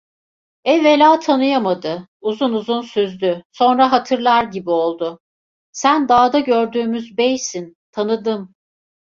Evvela tanıyamadı, uzun uzun süzdü, sonra hatırlar gibi oldu: "Sen dağda gördüğümüz beysin, tanıdım!"